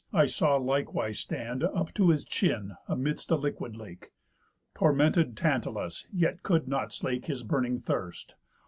I saw likewise stand, Up to the chin, amidst a liquid lake, Tormented Tantalus, yet could not slake His burning thirst.